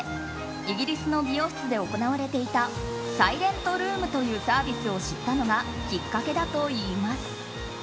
イギリスの美容室で行われていたサイレントルームというサービスを知ったのがきっかけだといいます。